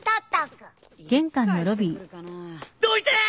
どいて！